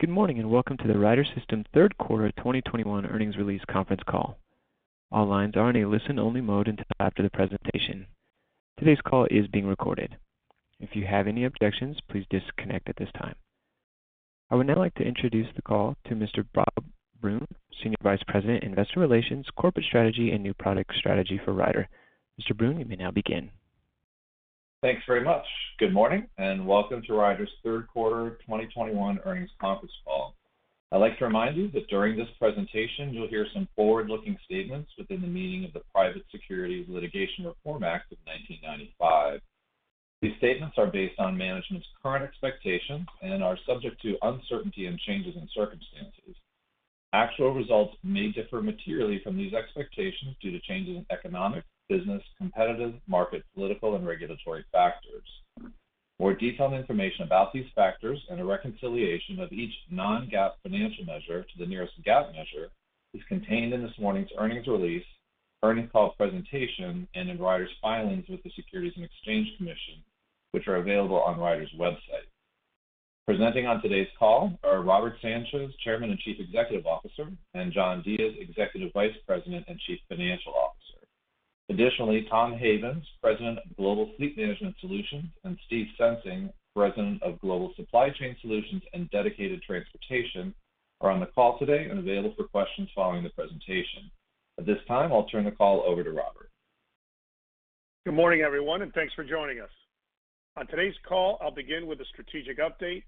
Good morning, and welcome to the Ryder System Q3 2021 earnings release conference call. All lines are in a listen-only mode until after the presentation. Today's call is being recorded. If you have any objections, please disconnect at this time. I would now like to introduce the call to Mr. Bob Brunn, Senior Vice President, Investor Relations, Corporate Strategy, and New Product Strategy for Ryder. Mr. Brunn, you may now begin. Thanks very much. Good morning, and welcome to Ryder's Q3 2021 earnings conference call. I'd like to remind you that during this presentation, you'll hear some forward-looking statements within the meaning of the Private Securities Litigation Reform Act of 1995. These statements are based on management's current expectations and are subject to uncertainty and changes in circumstances. Actual results may differ materially from these expectations due to changes in economic, business, competitive, market, political, and regulatory factors. More detailed information about these factors and a reconciliation of each non-GAAP financial measure to the nearest GAAP measure is contained in this morning's earnings release, earnings call presentation, and in Ryder's filings with the Securities and Exchange Commission, which are available on Ryder's website. Presenting on today's call are Robert Sanchez, Chairman and Chief Executive Officer, and John Diez, Executive Vice President and Chief Financial Officer. Additionally, Tom Havens, President of Global Fleet Management Solutions, and Steve Sensing, President of Global Supply Chain Solutions and Dedicated Transportation, are on the call today and available for questions following the presentation. At this time, I'll turn the call over to Robert. Good morning, everyone, and thanks for joining us. On today's call, I'll begin with a strategic update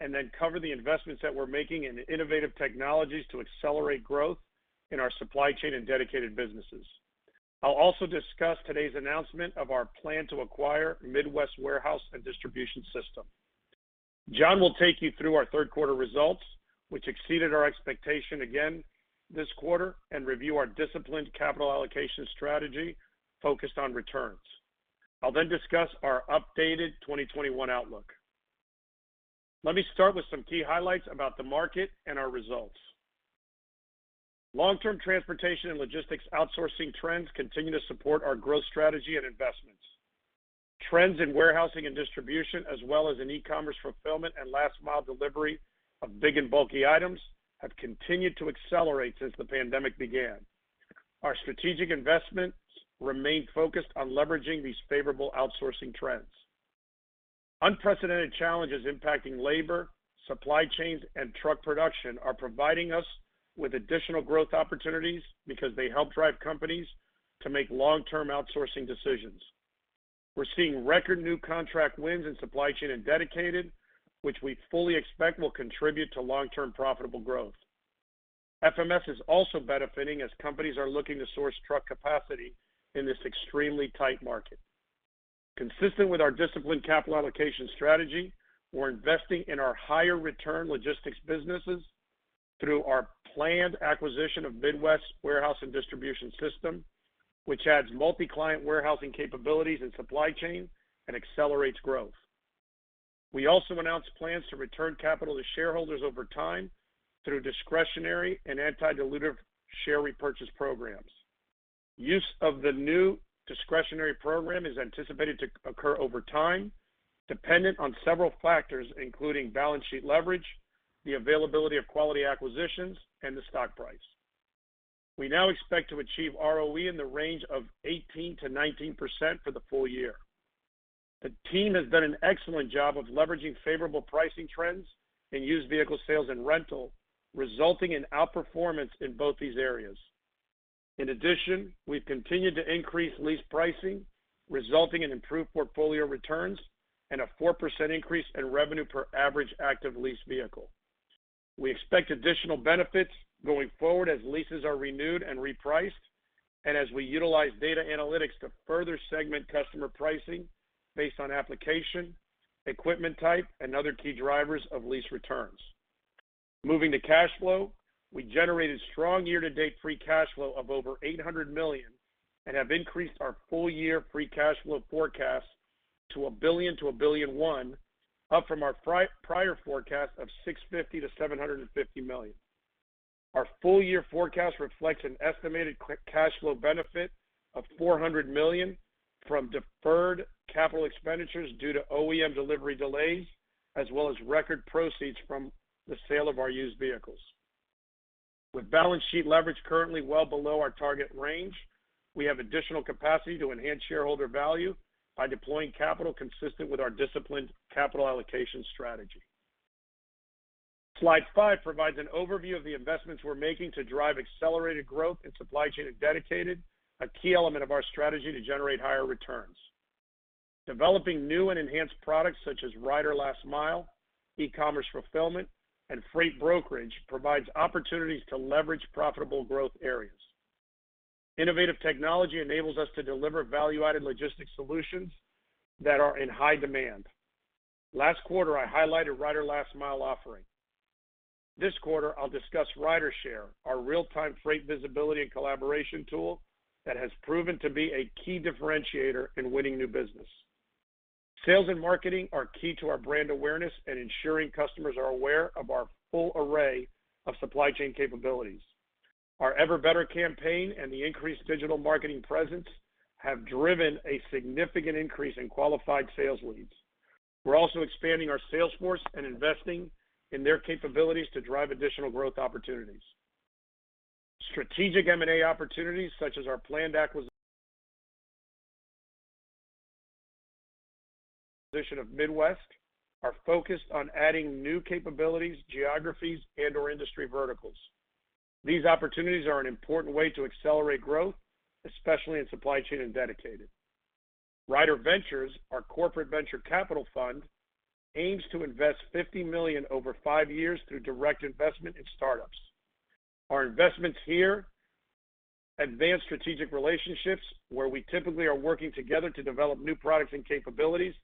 and then cover the investments that we're making in innovative technologies to accelerate growth in our supply chain and dedicated businesses. I'll also discuss today's announcement of our plan to acquire Midwest Warehouse & Distribution System. John will take you through our Q3 results, which exceeded our expectation again this quarter, and review our disciplined capital allocation strategy focused on returns. I'll then discuss our updated 2021 outlook. Let me start with some key highlights about the market and our results. Long-term transportation and logistics outsourcing trends continue to support our growth strategy and investments. Trends in warehousing and distribution, as well as in e-commerce fulfillment and last-mile delivery of big and bulky items, have continued to accelerate since the pandemic began. Our strategic investments remain focused on leveraging these favorable outsourcing trends. Unprecedented challenges impacting labor, supply chains, and truck production are providing us with additional growth opportunities because they help drive companies to make long-term outsourcing decisions. We're seeing record new contract wins in supply chain and dedicated, which we fully expect will contribute to long-term profitable growth. FMS is also benefiting as companies are looking to source truck capacity in this extremely tight market. Consistent with our disciplined capital allocation strategy, we're investing in our higher return logistics businesses through our planned acquisition of Midwest Warehouse & Distribution System, which adds multi-client warehousing capabilities and supply chain and accelerates growth. We also announced plans to return capital to shareholders over time through discretionary and anti-dilutive share repurchase programs. Use of the new discretionary program is anticipated to occur over time, dependent on several factors, including balance sheet leverage, the availability of quality acquisitions, and the stock price. We now expect to achieve ROE in the range of 18 to 19% for the full year. The team has done an excellent job of leveraging favorable pricing trends in used vehicle sales and rental, resulting in outperformance in both these areas. In addition, we've continued to increase lease pricing, resulting in improved portfolio returns and a 4% increase in revenue per average active lease vehicle. We expect additional benefits going forward as leases are renewed and repriced and as we utilize data analytics to further segment customer pricing based on application, equipment type, and other key drivers of lease returns. Moving to cash flow, we generated strong year-to-date free cash flow of over $800 million and have increased our full-year free cash flow forecast to $1 to 1.1 billion, up from our prior forecast of $650 to 750 million. Our full-year forecast reflects an estimated cash flow benefit of $400 million from deferred capital expenditures due to OEM delivery delays, as well as record proceeds from the sale of our used vehicles. With balance sheet leverage currently well below our target range, we have additional capacity to enhance shareholder value by deploying capital consistent with our disciplined capital allocation strategy. Slide 5 provides an overview of the investments we're making to drive accelerated growth in supply chain and dedicated, a key element of our strategy to generate higher returns. Developing new and enhanced products such as Ryder Last Mile, e-commerce fulfillment, and freight brokerage provides opportunities to leverage profitable growth areas. Innovative technology enables us to deliver value-added logistics solutions that are in high demand. Last quarter, I highlighted Ryder Last Mile offering. This quarter, I'll discuss RyderShare, our real-time freight visibility and collaboration tool that has proven to be a key differentiator in winning new business. Sales and marketing are key to our brand awareness and ensuring customers are aware of our full array of supply chain capabilities. Our Ever Better campaign and the increased digital marketing presence have driven a significant increase in qualified sales leads. We're also expanding our sales force and investing in their capabilities to drive additional growth opportunities. Strategic M&A opportunities such as our planned acquisition of Midwest are focused on adding new capabilities, geographies, and/or industry verticals. These opportunities are an important way to accelerate growth, especially in supply chain and dedicated. RyderVentures, our corporate venture capital fund, aims to invest $50 million over 5 years through direct investment in startups. Our investments here advance strategic relationships where we typically are working together to develop new products and capabilities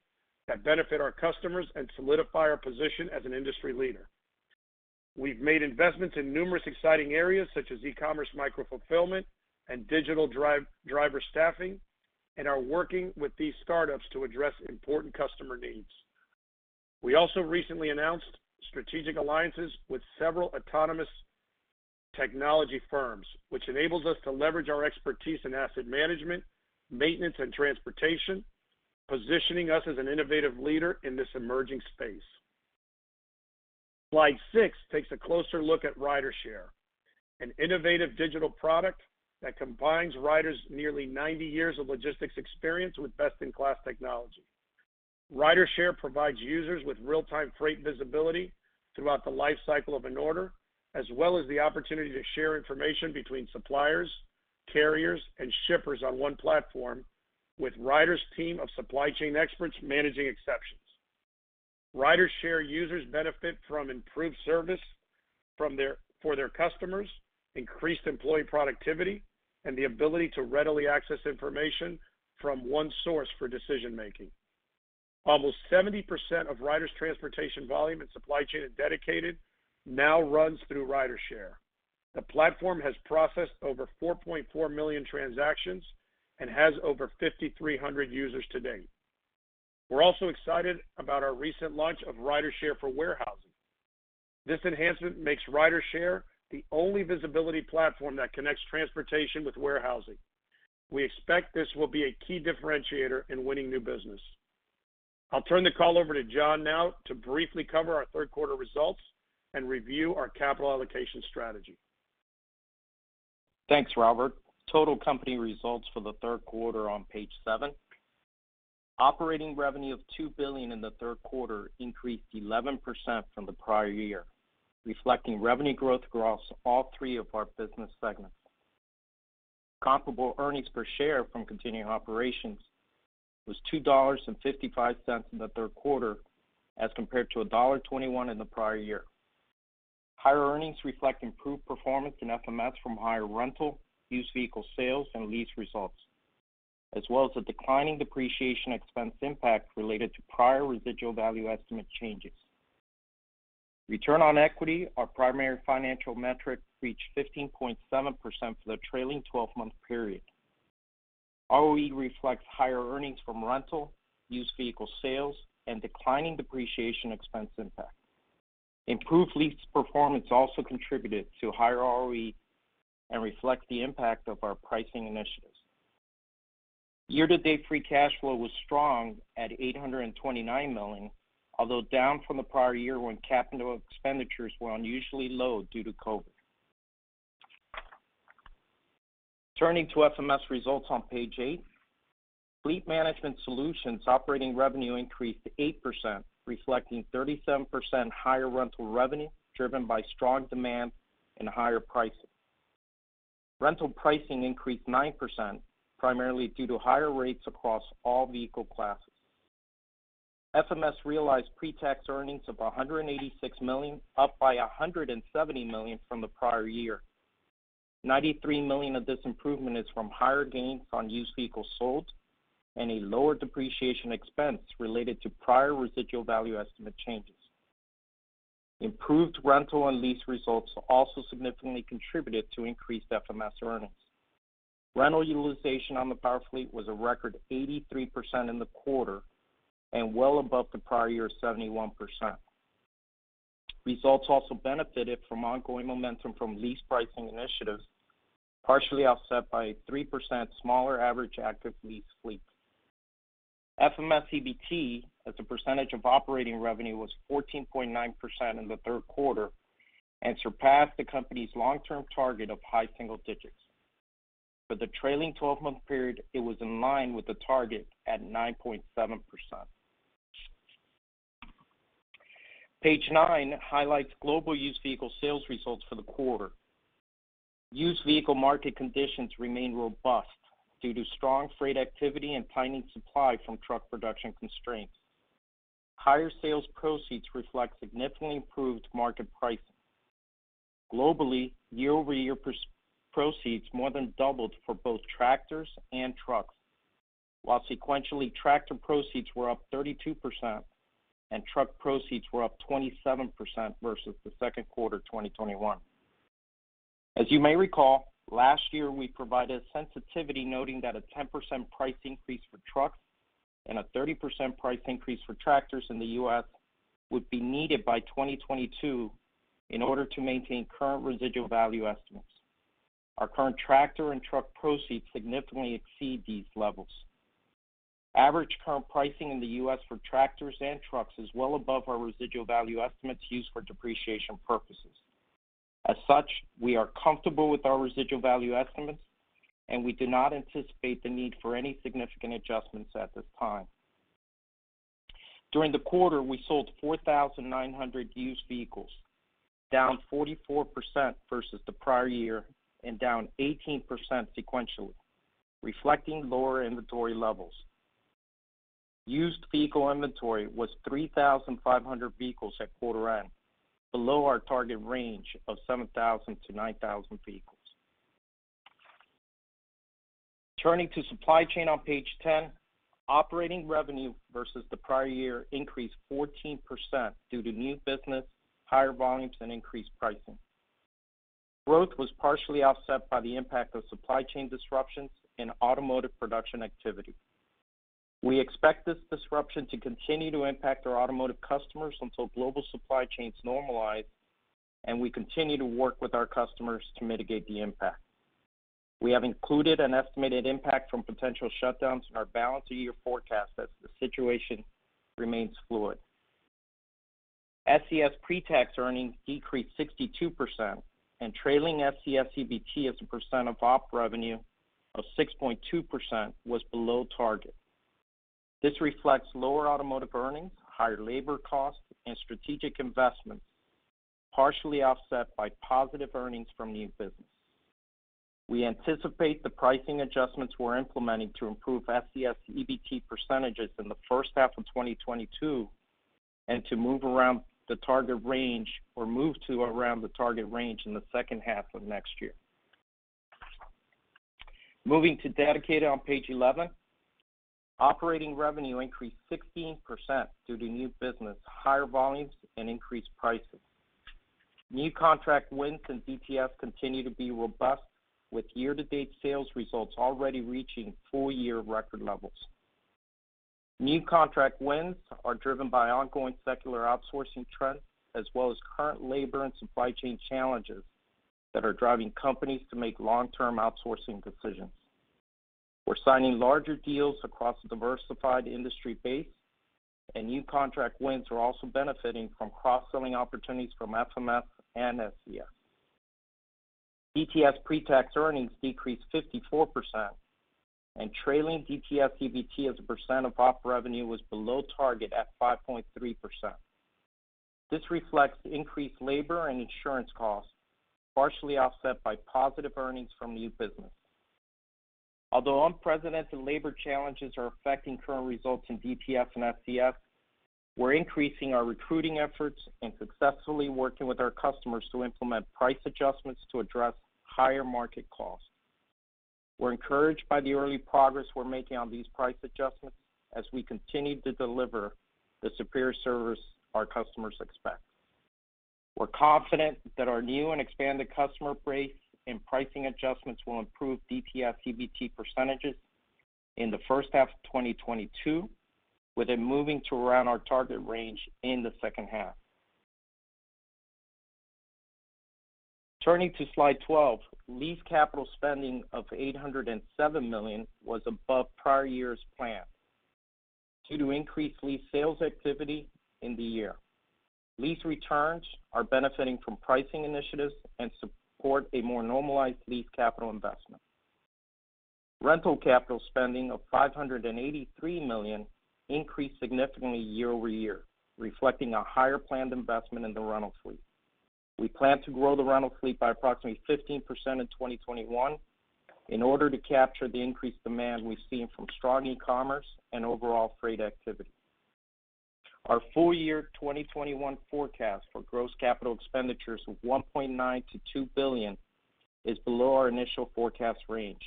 that benefit our customers and solidify our position as an industry leader. We've made investments in numerous exciting areas such as e-commerce micro-fulfillment and digital driver staffing, and are working with these startups to address important customer needs. We also recently announced strategic alliances with several autonomous technology firms, which enables us to leverage our expertise in asset management, maintenance, and transportation, positioning us as an innovative leader in this emerging space. Slide 6 takes a closer look at RyderShare, an innovative digital product that combines Ryder's nearly 90 years of logistics experience with best-in-class technology. RyderShare provides users with real-time freight visibility throughout the lifecycle of an order, as well as the opportunity to share information between suppliers, carriers, and shippers on one platform with Ryder's team of supply chain experts managing exceptions. RyderShare users benefit from improved service for their customers, increased employee productivity, and the ability to readily access information from one source for decision-making. Almost 70% of Ryder's transportation volume in supply chain and dedicated now runs through RyderShare. The platform has processed over 4.4 million transactions and has over 5,300 users to date. We're also excited about our recent launch of RyderShare for warehousing. This enhancement makes RyderShare the only visibility platform that connects transportation with warehousing. We expect this will be a key differentiator in winning new business. I'll turn the call over to John now to briefly cover our Q3 results and review our capital allocation strategy. Thanks, Robert. Total company results for the Q3 on page 7. Operating revenue of $2 billion in the Q3 increased 11% from the prior year, reflecting revenue growth across all three of our business segments. Comparable earnings per share from continuing operations was $2.55 in the Q3 as compared to $1.21 in the prior year. Higher earnings reflect improved performance in FMS from higher rental, used vehicle sales, and lease results, as well as a declining depreciation expense impact related to prior residual value estimate changes. Return on equity, our primary financial metric, reached 15.7% for the trailing twelve-month period. ROE reflects higher earnings from rental, used vehicle sales, and declining depreciation expense impact. Improved lease performance also contributed to higher ROE and reflects the impact of our pricing initiatives. Year-to-date free cash flow was strong at $829 million, although down from the prior year when capital expenditures were unusually low due to COVID. Turning to FMS results on page 8. Fleet Management Solutions operating revenue increased 8%, reflecting 37% higher rental revenue, driven by strong demand and higher pricing. Rental pricing increased 9%, primarily due to higher rates across all vehicle classes. FMS realized pre-tax earnings of $186 million, up by $170 million from the prior year. $93 million of this improvement is from higher gains on used vehicles sold and a lower depreciation expense related to prior residual value estimate changes. Improved rental and lease results also significantly contributed to increased FMS earnings. Rental utilization on the Power Fleet was a record 83% in the quarter and well above the prior year's 71%. Results also benefited from ongoing momentum from lease pricing initiatives, partially offset by 3% smaller average active lease fleets. FMS EBT as a percentage of operating revenue was 14.9% in the Q3 and surpassed the company's long-term target of high single digits. For the trailing twelve-month period, it was in line with the target at 9.7%. Page 9 highlights global used vehicle sales results for the quarter. Used vehicle market conditions remain robust due to strong freight activity and tightening supply from truck production constraints. Higher sales proceeds reflect significantly improved market pricing. Globally, year-over-year proceeds more than doubled for both tractors and trucks, while sequentially, tractor proceeds were up 32% and truck proceeds were up 27% versus the Q2 of 2021. As you may recall, last year, we provided sensitivity noting that a 10% price increase for trucks and a 30% price increase for tractors in the U.S. would be needed by 2022 in order to maintain current residual value estimates. Our current tractor and truck proceeds significantly exceed these levels. Average current pricing in the U.S. for tractors and trucks is well above our residual value estimates used for depreciation purposes. As such, we are comfortable with our residual value estimates, and we do not anticipate the need for any significant adjustments at this time. During the quarter, we sold 4,900 used vehicles, down 44% versus the prior year and down 18% sequentially, reflecting lower inventory levels. Used vehicle inventory was 3,500 vehicles at quarter end, below our target range of 7,000 to 9,000 vehicles. Turning to Supply Chain on page 10, operating revenue versus the prior year increased 14% due to new business, higher volumes and increased pricing. Growth was partially offset by the impact of supply chain disruptions and automotive production activity. We expect this disruption to continue to impact our automotive customers until global supply chains normalize, and we continue to work with our customers to mitigate the impact. We have included an estimated impact from potential shutdowns in our balance of year forecast as the situation remains fluid. SCS pre-tax earnings decreased 62% and trailing SCS EBT as a percent of op revenue of 6.2% was below target. This reflects lower automotive earnings, higher labor costs and strategic investments, partially offset by positive earnings from new business. We anticipate the pricing adjustments we're implementing to improve SCS EBT percentages in the H1 of 2022 and to move around the target range or move to around the target range in the H2 of next year. Moving to dedicated on page 11. Operating revenue increased 16% due to new business, higher volumes and increased pricing. New contract wins in DTS continue to be robust with year-to-date sales results already reaching full-year record levels. New contract wins are driven by ongoing secular outsourcing trends, as well as current labor and supply chain challenges that are driving companies to make long-term outsourcing decisions. We're signing larger deals across a diversified industry base, and new contract wins are also benefiting from cross-selling opportunities from FMS and SCS. DTS pre-tax earnings decreased 54% and trailing DTS EBT as a percent of operating revenue was below target at 5.3%. This reflects increased labor and insurance costs, partially offset by positive earnings from new business. Although unprecedented labor challenges are affecting current results in DTS and SCS, we're increasing our recruiting efforts and successfully working with our customers to implement price adjustments to address higher market costs. We're encouraged by the early progress we're making on these price adjustments as we continue to deliver the superior service our customers expect. We're confident that our new and expanded customer base and pricing adjustments will improve DTS EBT percentages in the H1 of 2022, with it moving to around our target range in the H2. Turning to slide 12. Lease capital spending of $807 million was above prior year's plan due to increased lease sales activity in the year. Lease returns are benefiting from pricing initiatives and support a more normalized lease capital investment. Rental capital spending of $583 million increased significantly year-over-year, reflecting a higher planned investment in the rental fleet. We plan to grow the rental fleet by approximately 15% in 2021 in order to capture the increased demand we've seen from strong e-commerce and overall freight activity. Our full-year 2021 forecast for gross capital expenditures of $1.9 to 2 billion is below our initial forecast range.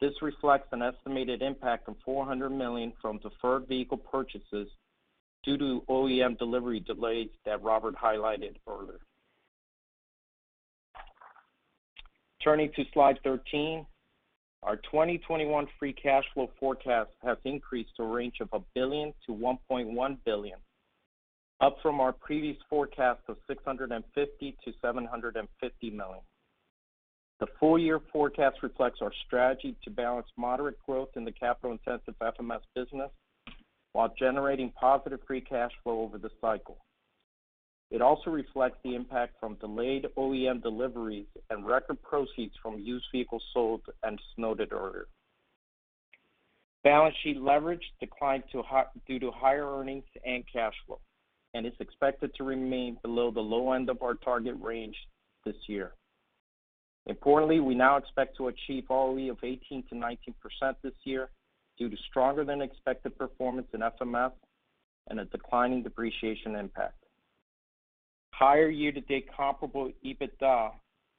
This reflects an estimated impact of $400 million from deferred vehicle purchases due to OEM delivery delays that Robert highlighted earlier. Turning to slide 13. Our 2021 free cash flow forecast has increased to a range of $1 to 1.1 billion, up from our previous forecast of $650 to 750 million. The full year forecast reflects our strategy to balance moderate growth in the capital-intensive FMS business while generating positive free cash flow over the cycle. It also reflects the impact from delayed OEM deliveries and record proceeds from used vehicles sold and strong order. Balance sheet leverage declined due to higher earnings and cash flow and is expected to remain below the low end of our target range this year. Importantly, we now expect to achieve ROE of 18 to 19% this year due to stronger than expected performance in FMS and a declining depreciation impact. Higher year-to-date comparable EBITDA,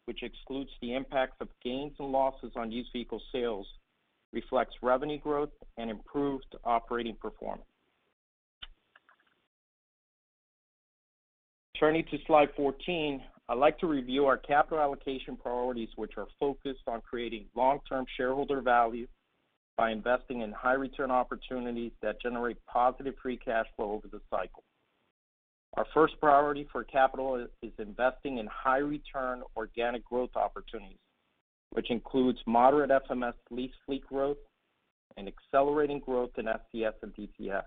which excludes the impacts of gains and losses on used vehicle sales, reflects revenue growth and improved operating performance. Turning to slide 14, I'd like to review our capital allocation priorities, which are focused on creating long-term shareholder value by investing in high return opportunities that generate positive free cash flow over the cycle. Our first priority for capital is investing in high return organic growth opportunities, which includes moderate FMS lease fleet growth and accelerating growth in SCS and DTS.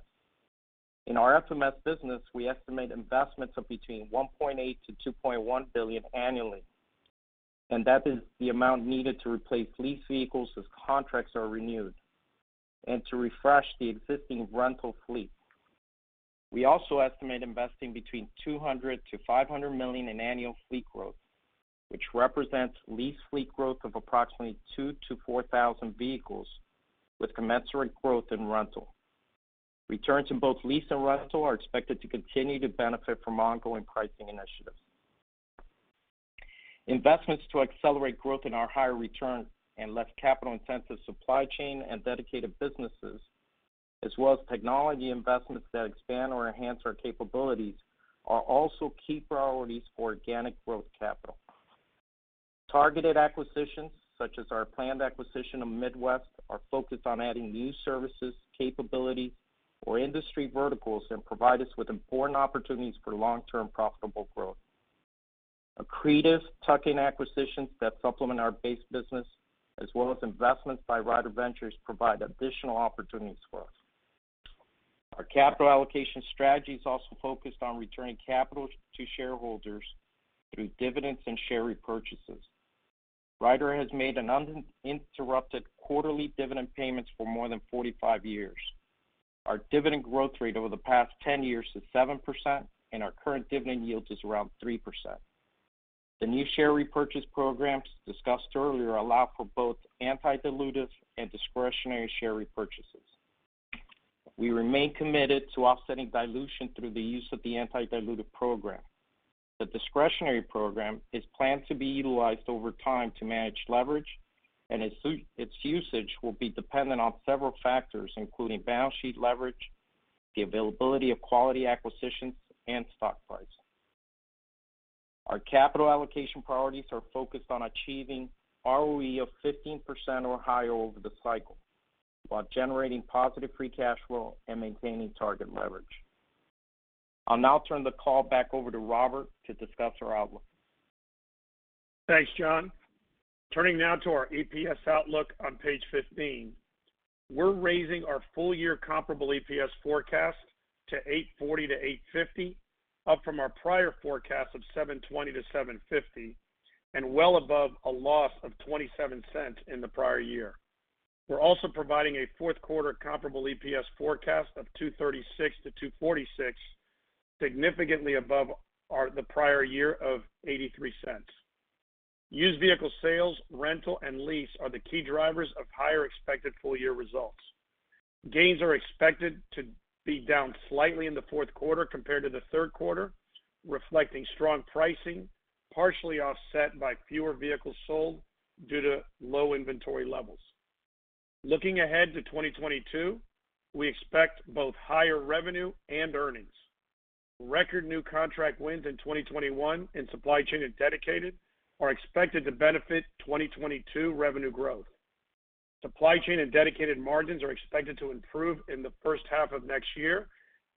In our FMS business, we estimate investments of between $1.8 to 2.1 billion annually, and that is the amount needed to replace lease vehicles as contracts are renewed and to refresh the existing rental fleet. We also estimate investing between $200 to 500 million in annual fleet growth, which represents lease fleet growth of approximately 2,000 to 4,000 vehicles with commensurate growth in rental. Returns in both lease and rental are expected to continue to benefit from ongoing pricing initiatives. Investments to accelerate growth in our higher return and less capital-intensive supply chain and dedicated businesses, as well as technology investments that expand or enhance our capabilities, are also key priorities for organic growth capital. Targeted acquisitions such as our planned acquisition of Midwest are focused on adding new services, capabilities or industry verticals and provide us with important opportunities for long-term profitable growth. Accretive tuck-in acquisitions that supplement our base business as well as investments by Ryder Ventures provide additional opportunities for us. Our capital allocation strategy is also focused on returning capital to shareholders through dividends and share repurchases. Ryder has made an uninterrupted quarterly dividend payments for more than 45 years. Our dividend growth rate over the past 10 years is 7%, and our current dividend yield is around 3%. The new share repurchase programs discussed earlier allow for both anti-dilutive and discretionary share repurchases. We remain committed to offsetting dilution through the use of the anti-dilutive program. The discretionary program is planned to be utilized over time to manage leverage, and its usage will be dependent on several factors, including balance sheet leverage, the availability of quality acquisitions, and stock price. Our capital allocation priorities are focused on achieving ROE of 15% or higher over the cycle while generating positive free cash flow and maintaining target leverage. I'll now turn the call back over to Robert to discuss our outlook. Thanks, John. Turning now to our EPS outlook on page 15. We're raising our full year comparable EPS forecast to $8.40 to 8.50, up from our prior forecast of $7.20 to 7.50, and well above a loss of $0.27 in the prior year. We're also providing a Q4 comparable EPS forecast of $2.36 to 2.46, significantly above the prior year of $0.83. Used vehicle sales, rental, and lease are the key drivers of higher expected full-year results. Gains are expected to be down slightly in the Q4 compared to the Q3, reflecting strong pricing, partially offset by fewer vehicles sold due to low inventory levels. Looking ahead to 2022, we expect both higher revenue and earnings. Record new contract wins in 2021 in supply chain and dedicated are expected to benefit 2022 revenue growth. Supply chain and dedicated margins are expected to improve in the H1 of next year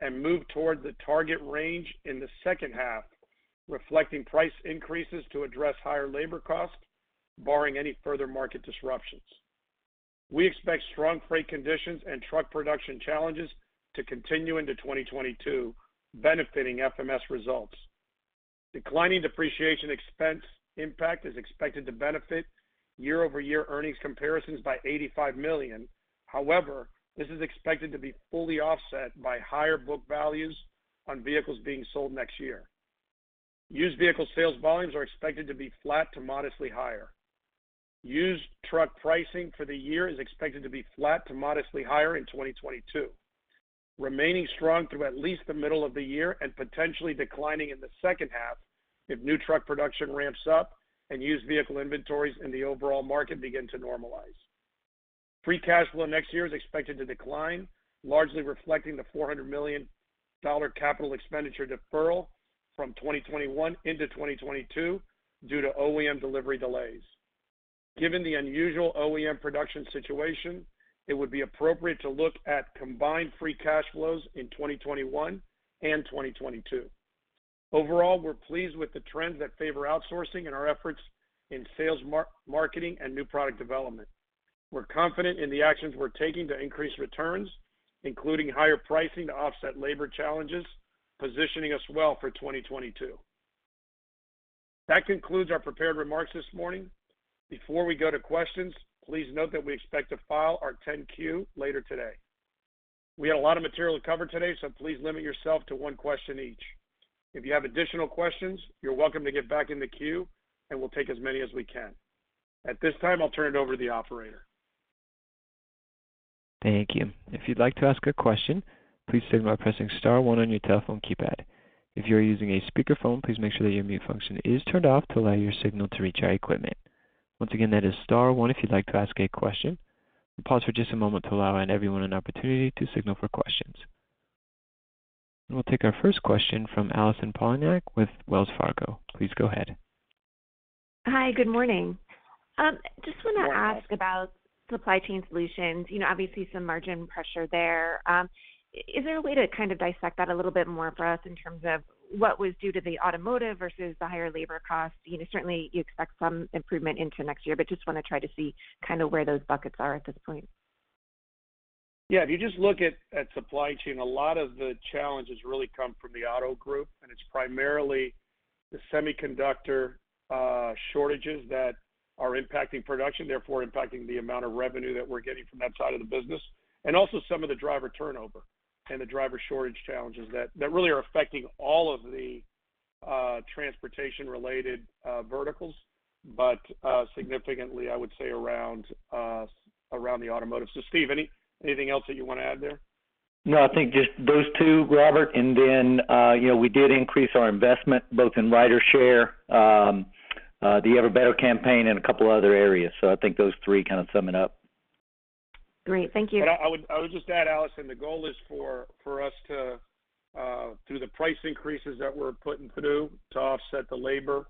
and move towards the target range in the H2, reflecting price increases to address higher labor costs, barring any further market disruptions. We expect strong freight conditions and truck production challenges to continue into 2022, benefiting FMS results. Declining depreciation expense impact is expected to benefit year-over-year earnings comparisons by $85 million. However, this is expected to be fully offset by higher book values on vehicles being sold next year. Used vehicle sales volumes are expected to be flat to modestly higher. Used truck pricing for the year is expected to be flat to modestly higher in 2022, remaining strong through at least the middle of the year and potentially declining in the H2 if new truck production ramps up and used vehicle inventories in the overall market begin to normalize. Free cash flow next year is expected to decline, largely reflecting the $400 million capital expenditure deferral from 2021 into 2022 due to OEM delivery delays. Given the unusual OEM production situation, it would be appropriate to look at combined free cash flows in 2021 and 2022. Overall, we're pleased with the trends that favor outsourcing and our efforts in sales marketing and new product development. We're confident in the actions we're taking to increase returns, including higher pricing to offset labor challenges, positioning us well for 2022. That concludes our prepared remarks this morning. Before we go to questions, please note that we expect to file our 10-Q later today. We had a lot of material to cover today, so please limit yourself to one question each. If you have additional questions, you're welcome to get back in the queue, and we'll take as many as we can. At this time, I'll turn it over to the operator. Thank you. If you'd like to ask a question, please signal by pressing star one on your telephone keypad. If you're using a speakerphone, please make sure that your mute function is turned off to allow your signal to reach our equipment. Once again, that is star one if you'd like to ask a question. We'll pause for just a moment to allow everyone an opportunity to signal for questions. We'll take our first question from Allison Poliniak with Wells Fargo. Please go ahead. Hi. Good morning. Just wanna ask about Supply Chain Solutions. You know, obviously some margin pressure there. Is there a way to kind of dissect that a little bit more for us in terms of what was due to the automotive versus the higher labor costs? You know, certainly you expect some improvement into next year, but just want to try to see kind of where those buckets are at this point. Yeah. If you just look at supply chain, a lot of the challenges really come from the auto group, and it's primarily the semiconductor shortages that are impacting production, therefore impacting the amount of revenue that we're getting from that side of the business, and also some of the driver turnover and the driver shortage challenges that really are affecting all of the transportation-related verticals. Significantly, I would say around the automotive. Steve, anything else that you want to add there? No, I think just those two, Robert. You know, we did increase our investment both in RyderShare, the Ever-Better campaign and a couple other areas. I think those three kinds of sum it up. Great. Thank you. I would just add, Allison, the goal is for us to through the price increases that we're putting through to offset the labor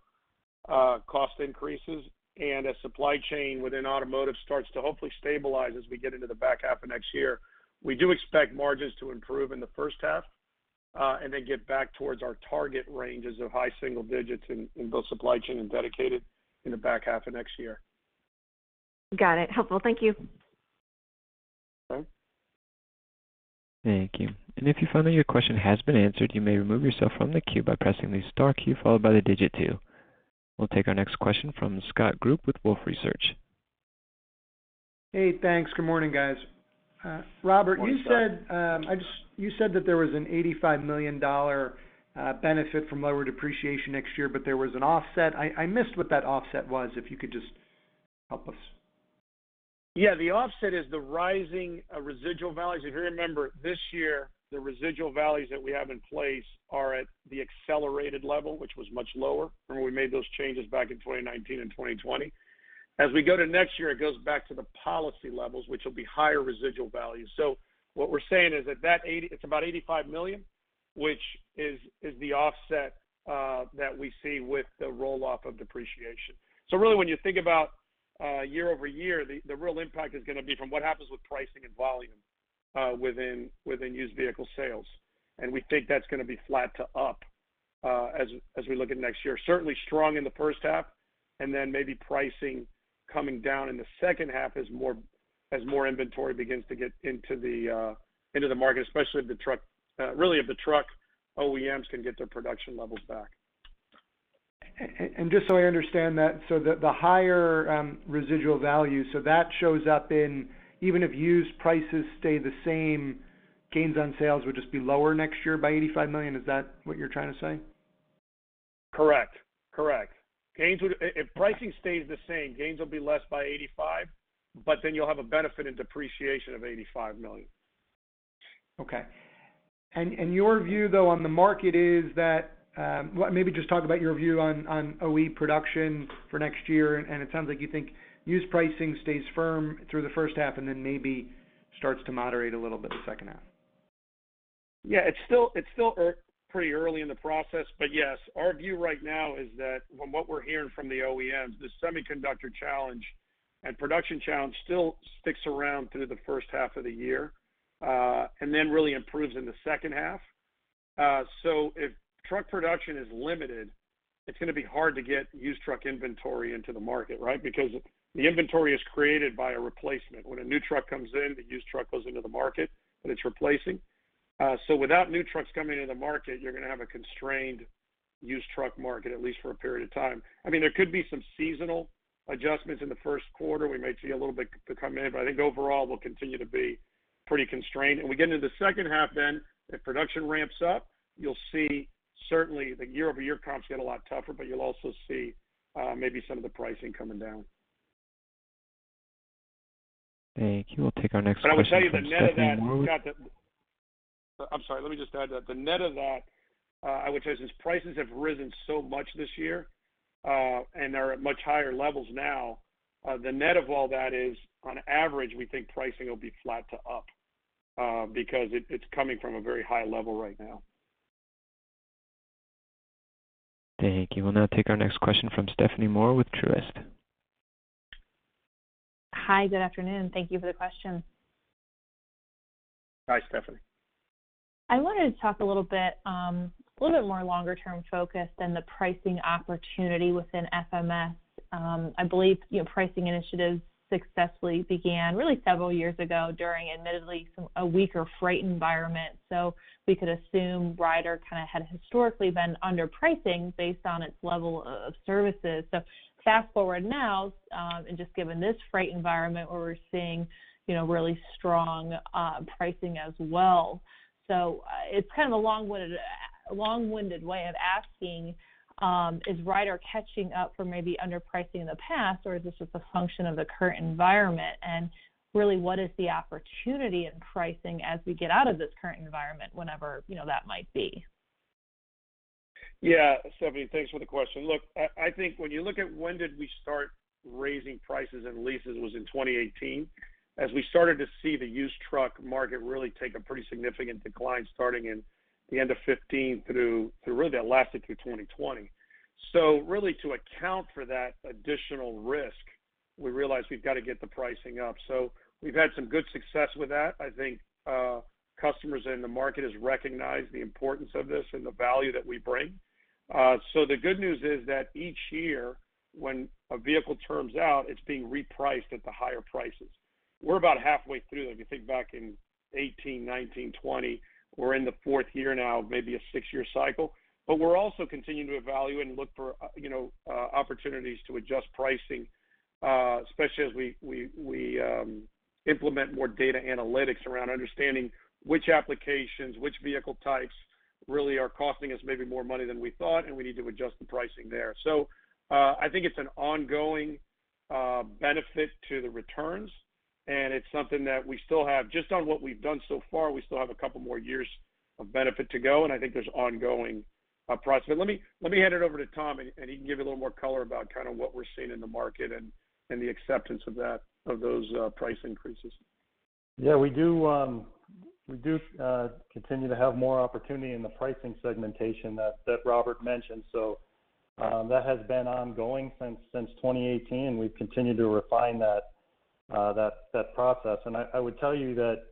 cost increases and as supply chain within automotive starts to hopefully stabilize as we get into the back half of next year. We do expect margins to improve in the H1 and then get back towards our target ranges of high single digits in both supply chain and dedicated in the back half of next year. Got it. Helpful. Thank you. Okay. We'll take our next question from Scott Group with Wolfe Research. Hey, thanks. Good morning, guys. Robert, you said that there was an $85 million benefit from lower depreciation next year, but there was an offset. I missed what that offset was, if you could just help us. Yeah. The offset is the rising residual values. If you remember, this year, the residual values that we have in place are at the accelerated level, which was much lower from when we made those changes back in 2019 and 2020. As we go to next year, it goes back to the policy levels, which will be higher residual values. So, what we're saying is that it's about $85 million, which is the offset that we see with the roll-off of depreciation. So really when you think about year-over-year, the real impact is going to be from what happens with pricing and volume within used vehicle sales. We think that's going to be flat to up as we look at next year. Certainly, strong in the H1, and then maybe pricing coming down in the H2 as more inventory begins to get into the market, especially if the truck OEMs can get their production levels back. Just so I understand that, so the higher residual value, so that shows up in even if used prices stay the same, gains on sales would just be lower next year by $85 million. Is that what you're trying to say? Correct. If pricing stays the same, gains will be less by $85 million, but then you'll have a benefit in depreciation of $85 million. Okay. Your view, though, on the market is that, well maybe just talk about your view on OE production for next year, and it sounds like you think used pricing stays firm through the H1 and then maybe starts to moderate a little bit the H2. Yeah. It's still a pretty early in the process, but yes, our view right now is that from what we're hearing from the OEMs, the semiconductor challenge and production challenge still sticks around through the H1 of the year, and then really improves in the H2. So, if truck production is limited, it's going to be hard to get used truck inventory into the market, right? Because the inventory is created by a replacement. When a new truck comes in, the used truck goes into the market that it's replacing. So, without new trucks coming into the market, you're going to have a constrained used truck market, at least for a period of time. I mean, there could be some seasonal adjustments in the Q1. We may see a little bit to come in, but I think overall we'll continue to be pretty constrained. We get into the H2 then, if production ramps up, you'll see certainly the year-over-year comps get a lot tougher, but you'll also see, maybe some of the pricing coming down. Thank you. We'll take our next question from Stephanie Moore. I would tell you the net of that, Scott. I'm sorry, let me just add that the net of that, I would say since prices have risen so much this year, and are at much higher levels now, the net of all that is, on average, we think pricing will be flat to up, because it's coming from a very high level right now. Thank you. We'll now take our next question from Stephanie Moore with Truist. Hi. Good afternoon. Thank you for the questions. Hi, Stephanie. I wanted to talk a little bit, a little bit more longer-term focus than the pricing opportunity within FMS. I believe, you know, pricing initiatives successfully began really several years ago during admittedly some a weaker freight environment. We could assume Ryder kind of had historically been underpricing based on its level of services. Fast-forward now, and just given this freight environment where we're seeing, you know, really strong pricing as well. It's kind of a long-winded way of asking, is Ryder catching up for maybe underpricing in the past, or is this just a function of the current environment? Really, what is the opportunity in pricing as we get out of this current environment whenever, you know, that might be? Yeah, Stephanie, thanks for the question. Look, I think when you look at when did we start raising prices and leases was in 2018 as we started to see the used truck market really take a pretty significant decline starting in the end of 2015 through, really, that lasted through 2020. Really to account for that additional risk, we realized we've got to get the pricing up. We've had some good success with that. I think, customers in the market has recognized the importance of this and the value that we bring. The good news is that each year when a vehicle terms out, it's being repriced at the higher prices. We're about halfway through. If you think back in 2018, 2019, 2020, we're in the fourth year now, maybe a six-year cycle. We're also continuing to evaluate and look for, you know, opportunities to adjust pricing, especially as we implement more data analytics around understanding which applications, which vehicle types really are costing us maybe more money than we thought, and we need to adjust the pricing there. I think it's an ongoing benefit to the returns, and it's something that we still have. Just on what we've done so far, we still have a couple more years of benefit to go, and I think there's ongoing process. Let me hand it over to Tom, and he can give you a little more color about kind of what we're seeing in the market and the acceptance of those price increases. Yeah, we do continue to have more opportunity in the pricing segmentation that Robert mentioned. That has been ongoing since 2018. We've continued to refine that process. I would tell you that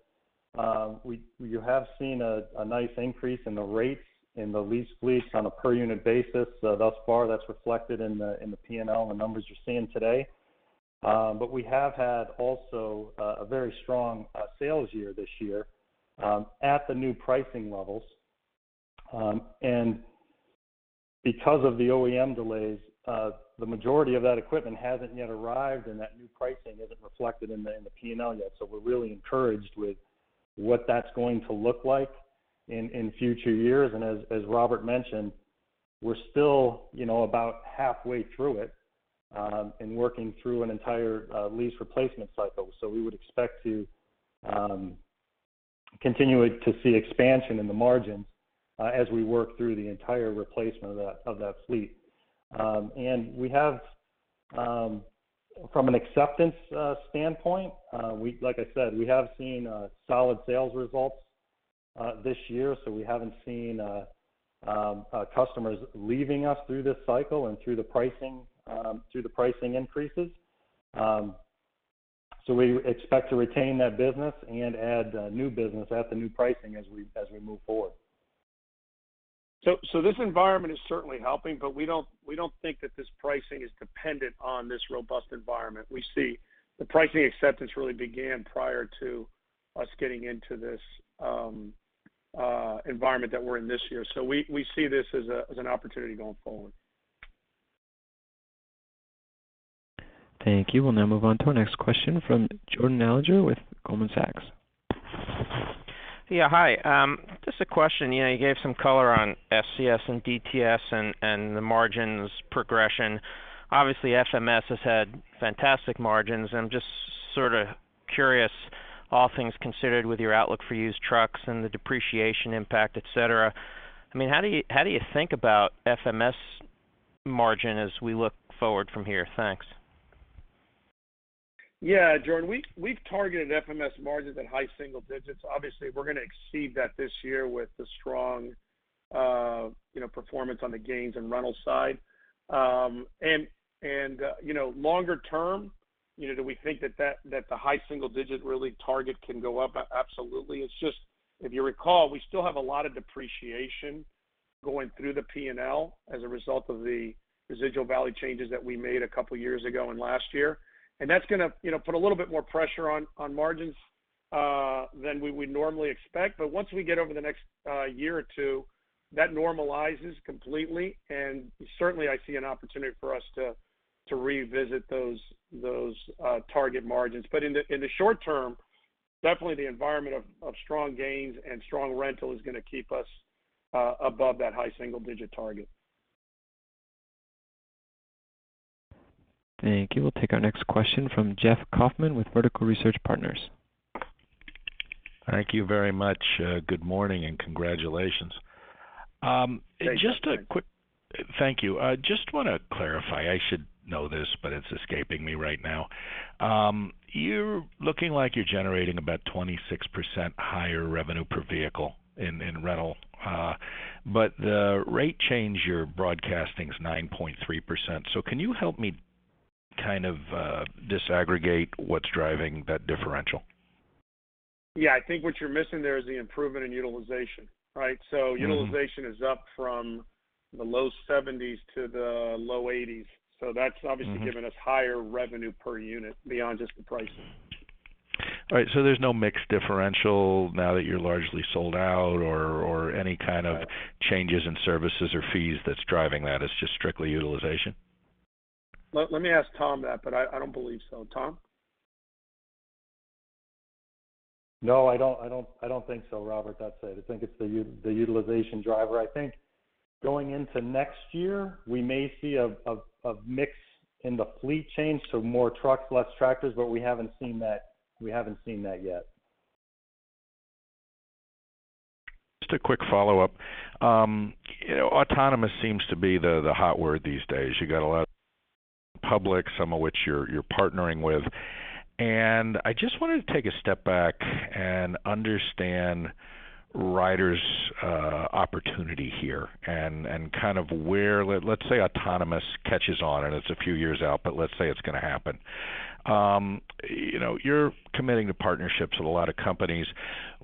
you have seen a nice increase in the rates in the leased fleet on a per unit basis thus far. That's reflected in the P&L, the numbers you're seeing today. We have had also a very strong sales year this year at the new pricing levels. Because of the OEM delays, the majority of that equipment hasn't yet arrived, and that new pricing isn't reflected in the P&L yet. We're really encouraged with what that's going to look like in future years. As Robert mentioned, we're still, you know, about halfway through it, and working through an entire lease replacement cycle. We would expect to continue to see expansion in the margins, as we work through the entire replacement of that fleet. We have, from an acceptance standpoint, like I said, we have seen solid sales results this year, so we haven't seen customers leaving us through this cycle and through the pricing increases. We expect to retain that business and add new business at the new pricing as we move forward. This environment is certainly helping, but we don't think that this pricing is dependent on this robust environment. We see the pricing acceptance really began prior to us getting into this environment that we're in this year. We see this as an opportunity going forward. Thank you. We'll now move on to our next question from Jordan Alliger with Goldman Sachs. Yeah, hi. Just a question. You know, you gave some color on SCS and DTS and the margins progression. Obviously, FMS has had fantastic margins, and I'm just sort of curious, all things considered, with your outlook for used trucks and the depreciation impact, et cetera. I mean, how do you think about FMS margin as we look forward from here? Thanks. Yeah, Jordan, we've targeted FMS margins at high single digits%. Obviously, we're going to exceed that this year with the strong, you know, performance on the gains and rental side. You know, longer term, you know, do we think that the high single-digit target can go up? Absolutely. It's just, if you recall, we still have a lot of depreciation going through the P&L as a result of the residual value changes that we made a couple years ago and last year. That's going to, you know, put a little bit more pressure on margins than we would normally expect. Once we get over the next year or two, that normalizes completely. Certainly, I see an opportunity for us to revisit those target margins. In the short term, definitely the environment of strong gains and strong rental is going to keep us above that high single digit target. Thank you. We'll take our next question from Jeff Kauffman with Vertical Research Partners. Thank you very much. Good morning and congratulations. Thank you. Thank you. I just want to clarify. I should know this, but it's escaping me right now. You're looking like you're generating about 26% higher revenue per vehicle in rental, but the rate change you're broadcasting is 9.3%. Can you help me kind of disaggregate what's driving that differential? Yeah. I think what you're missing there is the improvement in utilization, right? is up from the low 70s to the low 80s. That's obviously Giving us higher revenue per unit beyond just the pricing. All right. There's no mixed differential now that you're largely sold out or any kind of- Right No changes in services or fees that's driving that. It's just strictly utilization. Let me ask Tom that, but I don't believe so. Tom? No, I don't think so, Robert. That's it. I think it's the utilization driver. I think going into next year, we may see a mix in the fleet change, so more trucks, less tractors, but we haven't seen that yet. Just a quick follow-up. You know, autonomous seems to be the hot word these days. You got a lot of public, some of which you're partnering with. I just wanted to take a step back and understand Ryder's opportunity here and kind of where let's say autonomous catches on, and it's a few years out, but let's say it's gonna happen. You know, you're committing to partnerships with a lot of companies.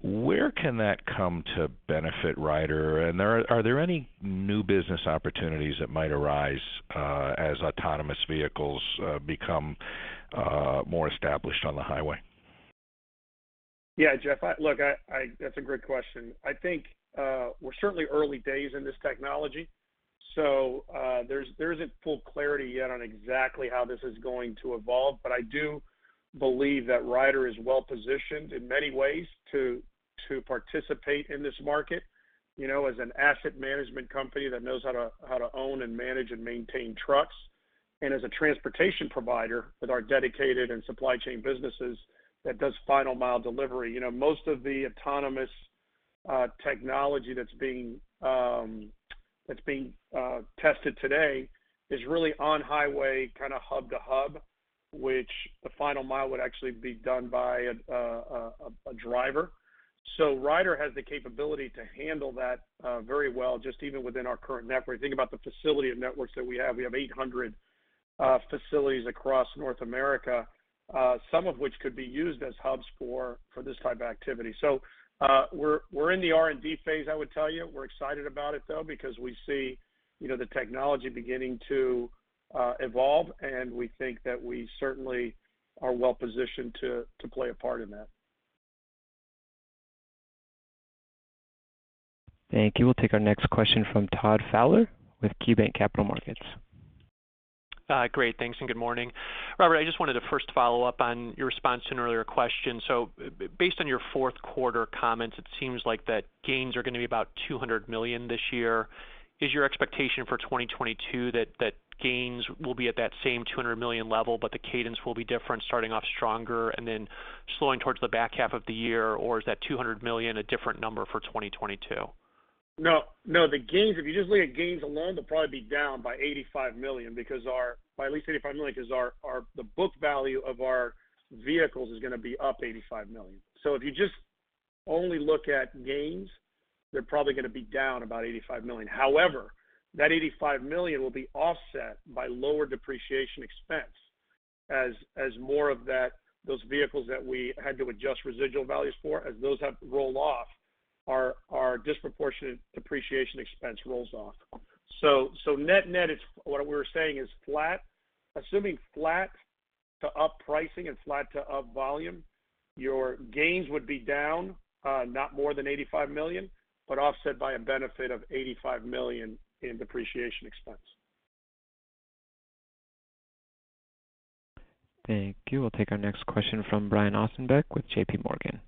Where can that come to benefit Ryder? Are there any new business opportunities that might arise as autonomous vehicles become more established on the highway? Yeah. Jeff, look, that's a great question. I think we're certainly early days in this technology, so there isn't full clarity yet on exactly how this is going to evolve. I do believe that Ryder is well positioned in many ways to participate in this market, you know, as an asset management company that knows how to own and manage and maintain trucks, and as a transportation provider with our dedicated and supply chain businesses that does final mile delivery. You know, most of the autonomous technology that's being tested today is really on highway kinda hub to hub, which the final mile would actually be done by a driver. Ryder has the capability to handle that very well just even within our current network. Think about the facilities and networks that we have. We have 800 facilities across North America, some of which could be used as hubs for this type of activity. We're in the R&D phase, I would tell you. We're excited about it, though, because we see, you know, the technology beginning to evolve, and we think that we certainly are well positioned to play a part in that. Thank you. We'll take our next question from Todd Fowler with KeyBanc Capital Markets. Great. Thanks, and good morning. Robert, I just wanted to first follow up on your response to an earlier question. Based on your Q4 comments, it seems like the gains are gonna be about $200 million this year. Is your expectation for 2022 that gains will be at that same $200 million level, but the cadence will be different, starting off stronger and then slowing towards the back half of the year? Or is that $200 million a different number for 2022? No. The gains, if you just look at gains alone, they'll probably be down by $85 million because by at least $85 million because the book value of our vehicles is gonna be up $85 million. So, if you just only look at gains, they're probably gonna be down about $85 million. However, that $85 million will be offset by lower depreciation expense as more of those vehicles that we had to adjust residual values for, as those have rolled off, our disproportionate depreciation expense rolls off. So, net-net is what we're saying is flat. Assuming flat to up pricing and flat to up volume, your gains would be down not more than $85 million but offset by a benefit of $85 million in depreciation expense. Thank you. We'll take our next question from Brian Ossenbeck with J.P. Morgan.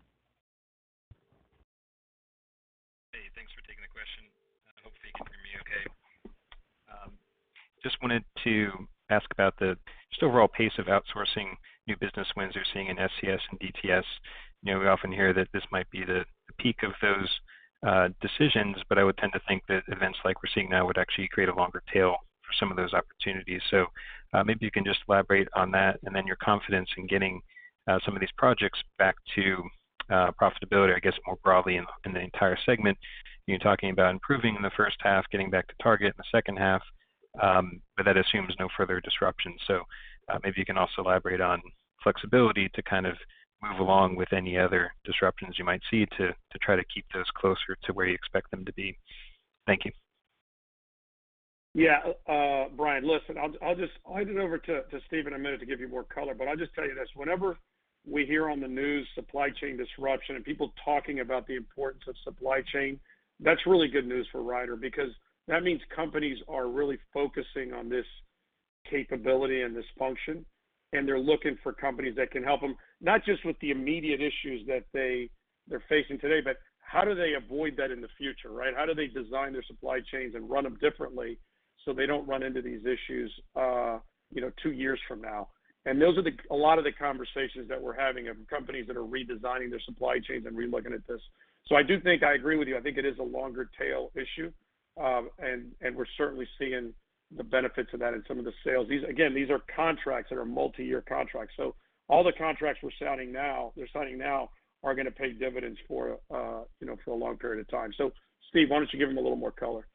Hey, thanks for taking the question. Hopefully you can hear me okay. Just wanted to ask about the overall pace of outsourcing new business wins you're seeing in SCS and DTS. You know, we often hear that this might be the peak of those decisions, but I would tend to think that events like we're seeing now would actually create a longer tail for some of those opportunities. Maybe you can just elaborate on that and then your confidence in getting some of these projects back to profitability, I guess, more broadly in the entire segment. You're talking about improving in the H1, getting back to target in the H2, but that assumes no further disruption. Maybe you can also elaborate on flexibility to kind of move along with any other disruptions you might see to try to keep those closer to where you expect them to be. Thank you. Yeah. Brian, listen, I'll hand it over to Steve in a minute to give you more color, but I'll just tell you this. Whenever we hear on the news supply chain disruption and people talking about the importance of supply chain, that's really good news for Ryder because that means companies are really focusing on this capability and this function, and they're looking for companies that can help them, not just with the immediate issues that they're facing today, but how do they avoid that in the future, right? How do they design their supply chains and run them differently, so they don't run into these issues, you know, two years from now? Those are a lot of the conversations that we're having with companies that are redesigning their supply chains and re-looking at this. I do think I agree with you. I think it is a longer tail issue, and we're certainly seeing the benefits of that in some of the sales. These, again, are contracts that are multiyear contracts, so all the contracts they're signing now are gonna pay dividends for, you know, for a long period of time. Steve, why don't you give him a little more color?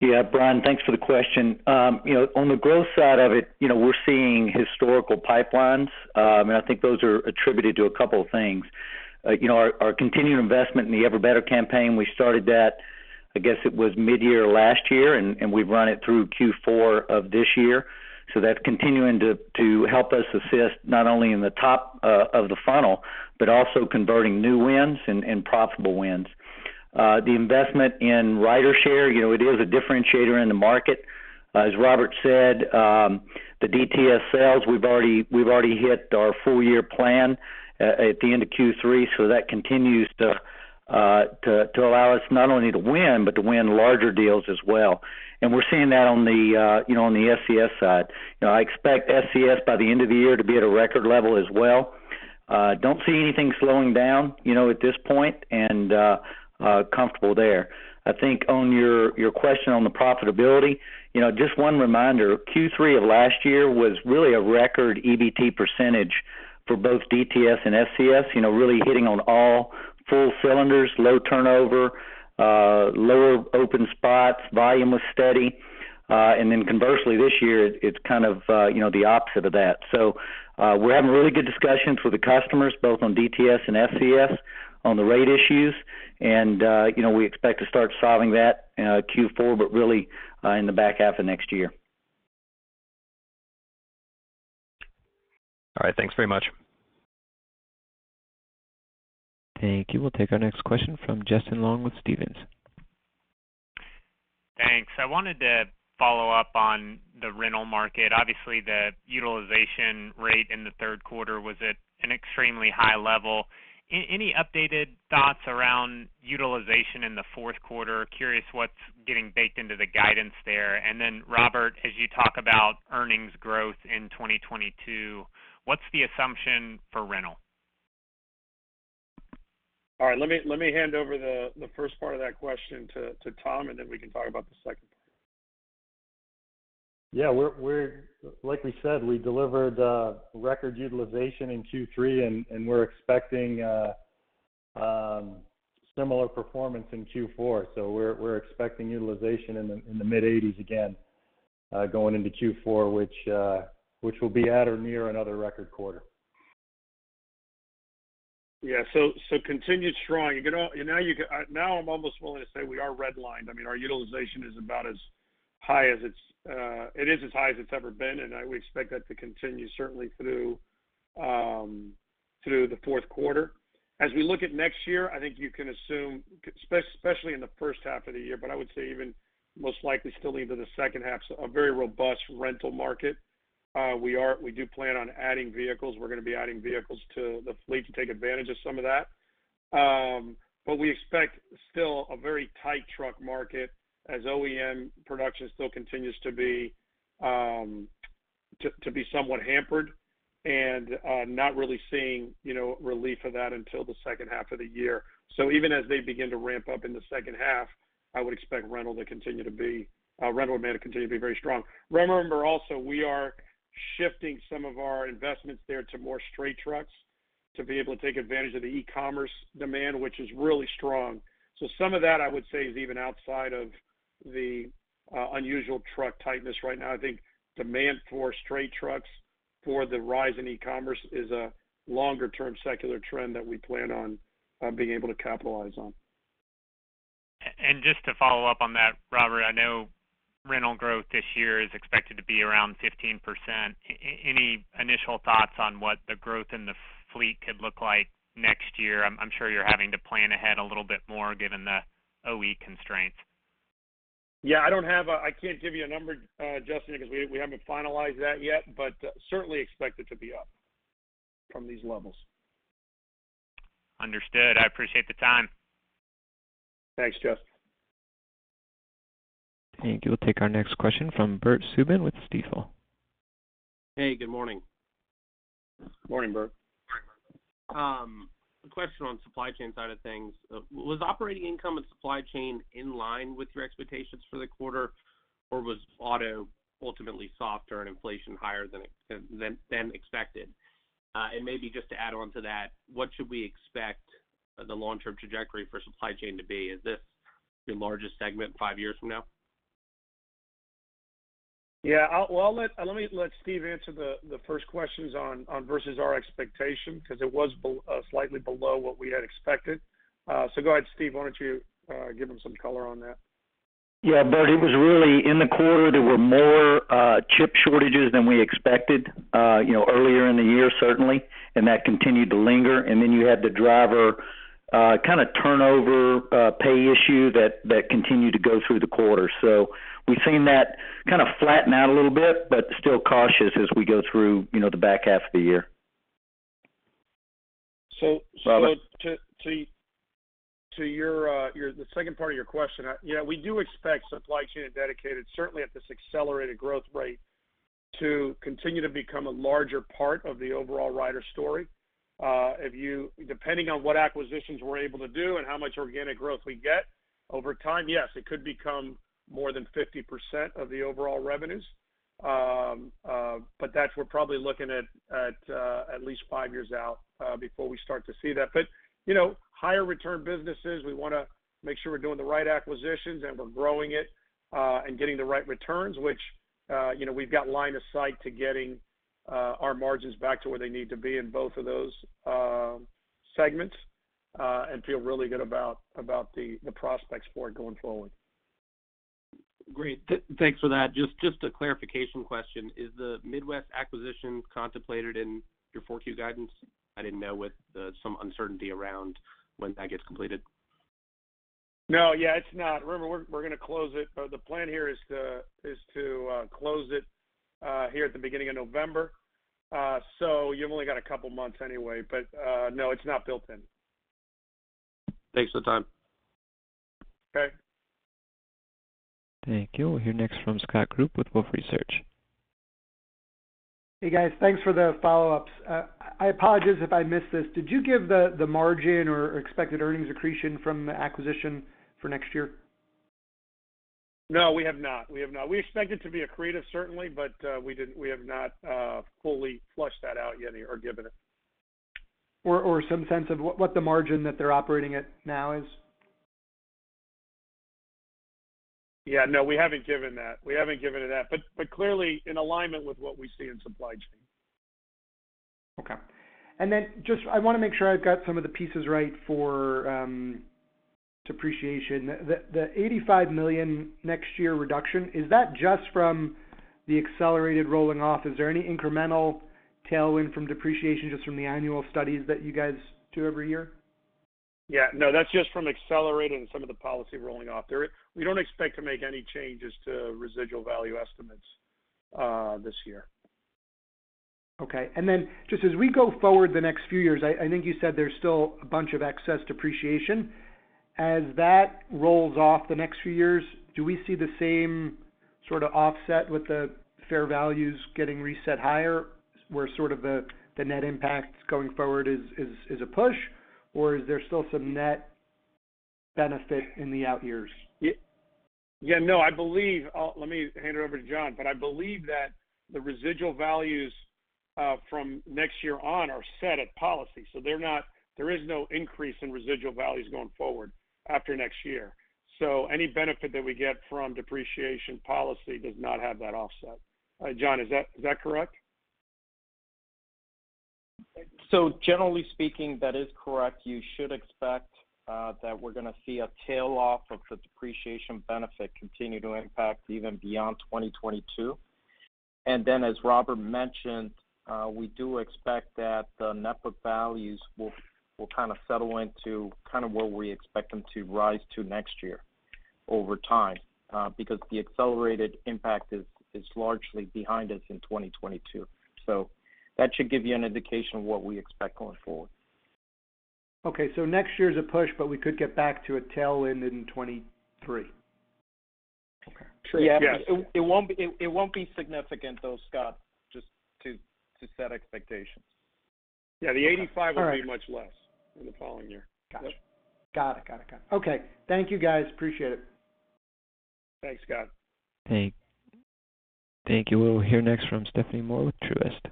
Yeah. Brian, thanks for the question. You know, on the growth side of it, you know, we're seeing historically high pipelines. I think those are attributed to a couple of things. You know, our continued investment in the Ever-Better campaign, we started that, I guess it was mid-year last year, and we've run it through Q4 of this year. That's continuing to help us assist not only in the top of the funnel but also converting new wins and profitable wins. The investment in RyderShare, you know, it is a differentiator in the market. As Robert said, the DTS sales, we've already hit our full year plan at the end of Q3, so that continues to allow us not only to win, but to win larger deals as well. We're seeing that on the SCS side. You know, I expect SCS, by the end of the year, to be at a record level as well. Don't see anything slowing down, you know, at this point, and comfortable there. I think on your question on the profitability, you know, just one reminder, Q3 of last year was really a record EBT percentage for both DTS and SCS, you know, really firing on all four cylinders, low turnover, lower open spots, volume was steady. Conversely, this year it's kind of, you know, the opposite of that. We're having really good discussions with the customers, both on DTS and SCS on the rate issues. You know, we expect to start solving that in Q4, but really in the back half of next year. All right. Thanks very much. Thank you. We'll take our next question from Justin Long with Stephens. Thanks. I wanted to follow up on the rental market. Obviously, the utilization rate in the Q3 was at an extremely high level. Any updated thoughts around utilization in the Q4? Curious what's getting baked into the guidance there. Robert, as you talk about earnings growth in 2022, what's the assumption for rental? All right. Let me hand over the first part of that question to Tom, and then we can talk about the second part. Yeah. We're like we said, we delivered record utilization in Q3, and we're expecting similar performance in Q4. We're expecting utilization in the mid-80s% again, going into Q4, which will be at or near another record quarter. Yeah. Continued strong. Now I'm almost willing to say we are red lined. I mean, our utilization is about as high as it's. It is as high as it's ever been, and we expect that to continue certainly through the Q4. As we look at next year, I think you can assume especially in the H1 of the year, but I would say even most likely still into the H2, a very robust rental market. We do plan on adding vehicles. We're gonna be adding vehicles to the fleet to take advantage of some of that. We expect still a very tight truck market as OEM production still continues to be somewhat hampered and not really seeing, you know, relief of that until the H2 of the year. Even as they begin to ramp up in the H2, I would expect rental demand to continue to be very strong. Remember also, we are shifting some of our investments there to more straight trucks to be able to take advantage of the e-commerce demand, which is really strong. Some of that, I would say, is even outside of the unusual truck tightness right now. I think demand for straight trucks for the rise in e-commerce is a longer-term secular trend that we plan on being able to capitalize on. Just to follow up on that, Robert, I know rental growth this year is expected to be around 15%. Any initial thoughts on what the growth in the fleet could look like next year? I'm sure you're having to plan ahead a little bit more given the OEM constraints. Yeah. I can't give you a number, Justin, because we haven't finalized that yet, but certainly expect it to be up from these levels. Understood. I appreciate the time. Thanks, Justin. Thank you. We'll take our next question from Bert Subin with Stifel. Hey, good morning. Morning, Bert. A question on supply chain side of things. Was operating income and supply chain in line with your expectations for the quarter, or was auto ultimately softer and inflation higher than expected? Maybe just to add on to that, what should we expect, the long-term trajectory for supply chain to be? Is this the largest segment five years from now? Yeah. Well, let me let Steve answer the first questions on versus our expectation because it was slightly below what we had expected. Go ahead, Steve. Why don't you give him some color on that? Yeah, Bert, it was really in the quarter. There were more chip shortages than we expected, you know, earlier in the year, certainly, and that continued to linger. You had the driver kinda turnover pay issue that continued to go through the quarter. We've seen that kind of flatten out a little bit, but still cautious as we go through, you know, the back half of the year. So, so to Robert. To the second part of your question, you know, we do expect supply chain and dedicated, certainly at this accelerated growth rate, to continue to become a larger part of the overall Ryder story. Depending on what acquisitions we're able to do and how much organic growth we get over time, yes, it could become more than 50% of the overall revenues. But that's where we're probably looking at least five years out before we start to see that. Higher return businesses, we wanna make sure we're doing the right acquisitions and we're growing it, and getting the right returns, which, you know, we've got line of sight to getting our margins back to where they need to be in both of those segments, and feel really good about the prospects for it going forward. Great. Thanks for that. Just a clarification question. Is the Midwest acquisition contemplated in your 4Q guidance? I didn't know, with some uncertainty around when that gets completed. No. Yeah, it's not. Remember, we're gonna close it. The plan here is to close it here at the beginning of November. You've only got a couple of months anyway. No, it's not built in. Thanks for the time. Thank you. We'll hear next from Scott Group with Wolfe Research. Hey, guys. Thanks for the follow-ups. I apologize if I missed this. Did you give the margin or expected earnings accretion from the acquisition for next year? No, we have not. We expect it to be accretive, certainly, but we have not fully fleshed that out yet or given it. some sense of what the margin that they're operating at now is. Yeah, no, we haven't given it that. Clearly in alignment with what we see in supply chain. Okay. Just I wanna make sure I've got some of the pieces right for depreciation. The $85 million next year reduction, is that just from the accelerated rolling off? Is there any incremental tailwind from depreciation just from the annual studies that you guys do every year? Yeah. No, that's just from accelerating some of the policy rolling off. There, we don't expect to make any changes to residual value estimates this year. Okay. Just as we go forward the next few years, I think you said there's still a bunch of excess depreciation. As that rolls off the next few years, do we see the same sort of offset with the fair values getting reset higher where sort of the net impact going forward is a push, or is there still some net benefit in the out years? Yeah. No, I believe let me hand it over to John, but I believe that the residual values from next year on are set at policy, so there is no increase in residual values going forward after next year. Any benefit that we get from depreciation policy does not have that offset. John, is that correct? Generally speaking, that is correct. You should expect that we're gonna see a tail-off of the depreciation benefit continue to impact even beyond 2022. And then, as Robert mentioned, we do expect that the net book values will kind of settle into kind of where we expect them to rise to next year over time, because the accelerated impact is largely behind us in 2022. That should give you an indication of what we expect going forward. Okay. Next year's a push, but we could get back to a tailwind in 2023. Okay. Yeah. Yeah. It won't be significant though, Scott, just to set expectations. Yeah. The 85 will be much less in the following year. Gotcha. Got it. Okay. Thank you, guys. Appreciate it. Thanks, Scott. Thank you. We'll hear next from Stephanie Moore with Truist.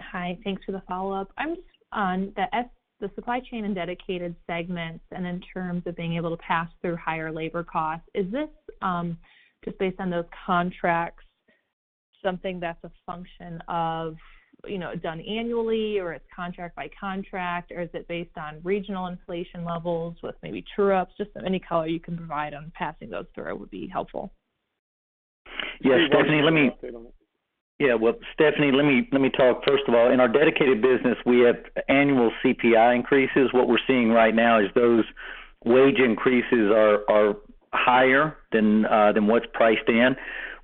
Hi. Thanks for the follow-up. I'm just on the supply chain and dedicated segments and in terms of being able to pass through higher labor costs. Is this just based on those contracts something that's a function of, you know, done annually or it's contract by contract or is it based on regional inflation levels with maybe true ups? Just any color you can provide on passing those through would be helpful. Yeah. Well, Stephanie, let me talk first of all. In our dedicated business, we have annual CPI increases. What we're seeing right now is those wage increases are higher than what's priced in.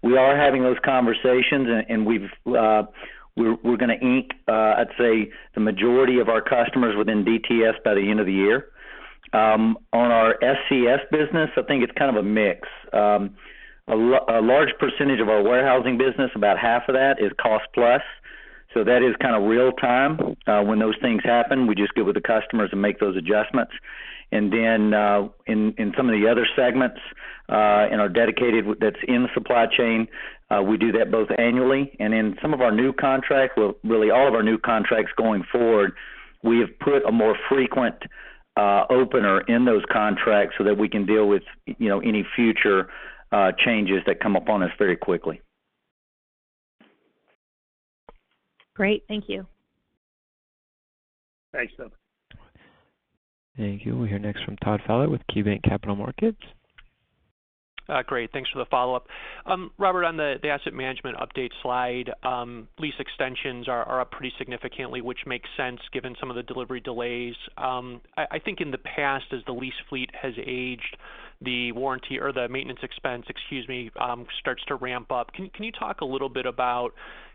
We are having those conversations and we're gonna ink I'd say the majority of our customers within DTS by the end of the year. On our SCS business, I think it's kind of a mix. A large percentage of our warehousing business, about half of that is cost plus. That is kind of real time. When those things happen, we just go to the customers and make those adjustments. Then, in some of the other segments, in our Dedicated that's in the Supply Chain, we do that both annually and in some of our new contracts. Well, really all of our new contracts going forward, we have put a more frequent opener in those contracts so that we can deal with, you know, any future changes that come upon us very quickly. Great. Thank you. Thanks, Steph. Thank you. We'll hear next from Todd Fowler with KeyBanc Capital Markets. Great. Thanks for the follow-up. Robert, on the asset management update slide, lease extensions are up pretty significantly, which makes sense given some of the delivery delays. I think in the past, as the lease fleet has aged, the warranty or the maintenance expense, excuse me, starts to ramp up. Can you talk a little bit about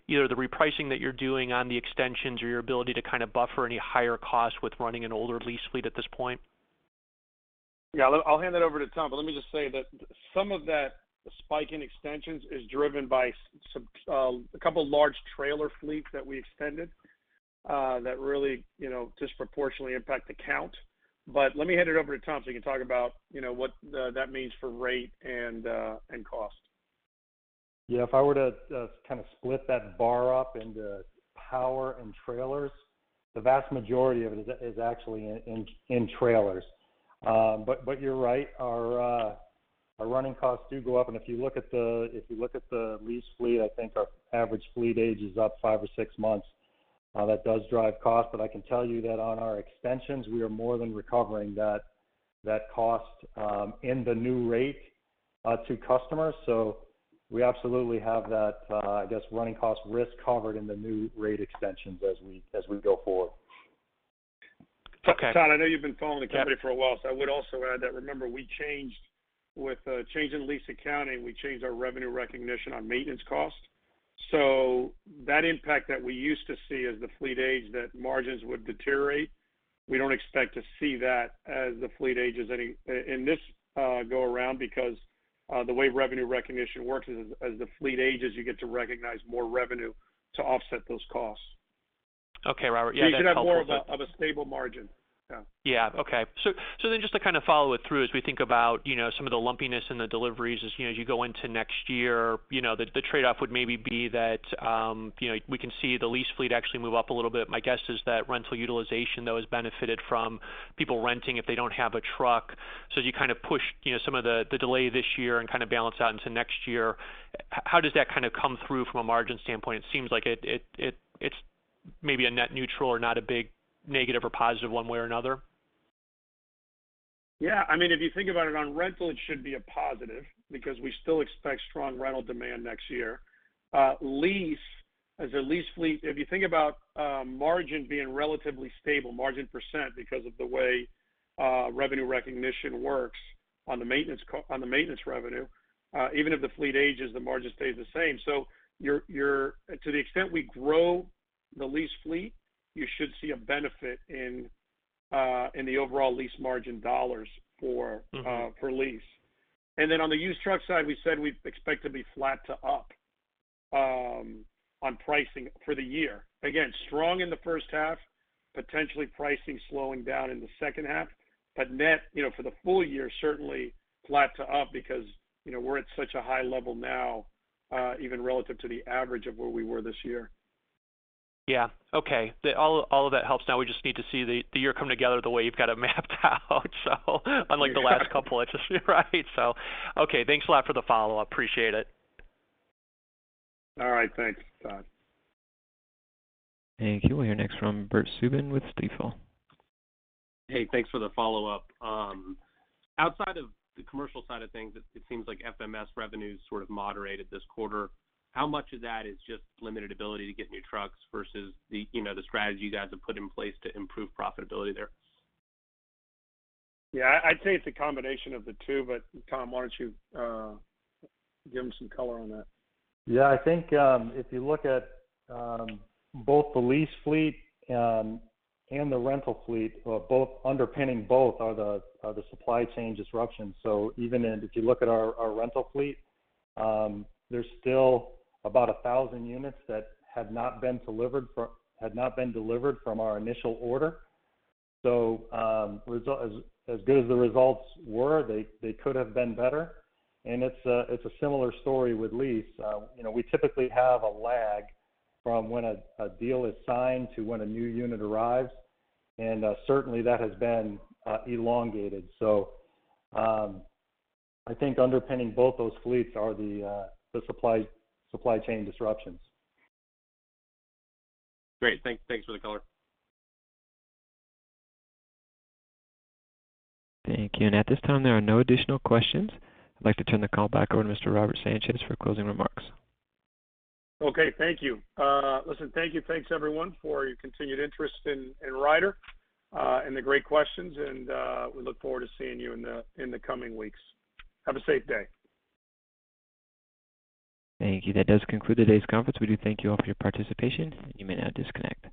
either the repricing that you're doing on the extensions or your ability to kind of buffer any higher costs with running an older lease fleet at this point? Yeah. I'll hand that over to Tom, but let me just say that some of that spike in extensions is driven by some, a couple large trailer fleets that we extended that really, you know, disproportionately impact the count. Let me hand it over to Tom, so he can talk about, you know, what that means for rate and cost. Yeah. If I were to kind of split that bar up into power and trailers, the vast majority of it is actually in trailers. But you're right. Our running costs do go up. If you look at the lease fleet, I think our average fleet age is up five or six months. That does drive cost, but I can tell you that on our extensions we are more than recovering that cost in the new rate to customers. So, we absolutely have that I guess running cost risk covered in the new rate extensions as we go forward. Okay. Todd, I know you've been following the company for a while, so I would also add that remember, with changing lease accounting, we changed our revenue recognition on maintenance costs. That impact that we used to see as the fleet aged that margins would deteriorate, we don't expect to see that as the fleet ages anymore in this go around because the way revenue recognition works is as the fleet ages, you get to recognize more revenue to offset those costs. Okay, Robert. Yeah, that helps with the- You should have more of a stable margin. Yeah. Yeah. Okay. Just to kind of follow it through as we think about, you know, some of the lumpiness in the deliveries as, you know, as you go into next year, you know, the trade-off would maybe be that, you know, we can see the lease fleet actually move up a little bit. My guess is that rental utilization, though, has benefited from people renting if they don't have a truck. As you kind of push, you know, some of the delay this year and kind of balance out into next year, how does that kind of come through from a margin standpoint? It seems like it's maybe a net neutral or not a big negative or positive one way or another. Yeah. I mean, if you think about it on rental, it should be a positive because we still expect strong rental demand next year. Lease, as a lease fleet, if you think about margin being relatively stable, margin percent because of the way revenue recognition works on the maintenance revenue, even if the fleet ages, the margin stays the same. You're to the extent we grow the lease fleet, you should see a benefit in the overall lease margin dollars for- For lease. On the used truck side, we said we expect to be flat to up on pricing for the year. Again, strong in the H1, potentially pricing slowing down in the H2. Net, you know, for the full year, certainly flat to up because, you know, we're at such a high level now, even relative to the average of where we were this year. Yeah. Okay. All of that helps. Now we just need to see the year come together the way you've got it mapped out. Unlike the last couple, right. Okay, thanks a lot for the follow-up. Appreciate it. All right, thanks, Todd. Thank you. We'll hear next from Bert Subin with Stifel. Hey, thanks for the follow-up. Outside of the commercial side of things, it seems like FMS revenue sort of moderated this quarter. How much of that is just limited ability to get new trucks versus the, you know, the strategy you guys have put in place to improve profitability there? Yeah, I'd say it's a combination of the two, but Tom, why don't you give him some color on that? Yeah. I think if you look at both the lease fleet and the rental fleet, underpinning both are the supply chain disruptions. Even in if you look at our rental fleet, there's still about 1,000 units that have not been delivered from our initial order. As good as the results were, they could have been better. It's a similar story with lease. You know, we typically have a lag from when a deal is signed to when a new unit arrives, and certainly that has been elongated. I think underpinning both those fleets are the supply chain disruptions. Great. Thanks for the color. Thank you. At this time, there are no additional questions. I'd like to turn the call back over to Mr. Robert Sanchez for closing remarks. Okay. Thank you. Listen, thank you. Thanks, everyone, for your continued interest in Ryder and the great questions, and we look forward to seeing you in the coming weeks. Have a safe day. Thank you. That does conclude today's conference. We do thank you all for your participation. You may now disconnect.